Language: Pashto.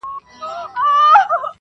درومم چي له ښاره روانـــــېـــږمــــه,